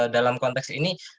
dalam konteks ini